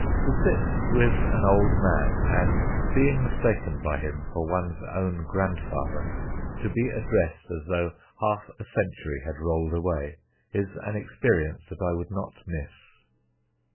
To sit with an old man and, being mistaken by him for one's own grandfather, to be addressed as though half a century had rolled away, is an experience that I would not miss.